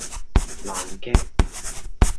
爛 gag